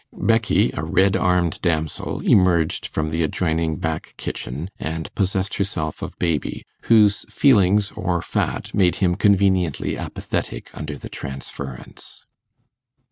Becky, a red armed damsel, emerged from the adjoining back kitchen, and possessed herself of baby, whose feelings or fat made him conveniently apathetic under the transference.